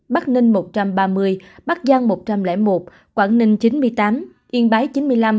bắc ninh một trăm ba mươi bắc giang một trăm linh một quảng ninh chín mươi tám yên bái chín mươi năm